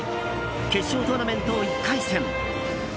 決勝トーナメント１回戦。